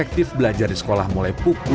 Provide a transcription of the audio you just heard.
kami akan diterima